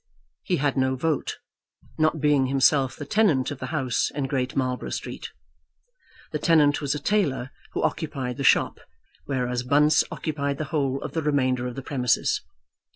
He had no vote, not being himself the tenant of the house in Great Marlborough Street. The tenant was a tailor who occupied the shop, whereas Bunce occupied the whole of the remainder of the premises.